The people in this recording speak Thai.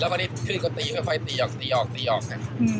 แล้วตอนนี้คลื่นก็ตีไฟตีออกตีออกตีออกค่ะ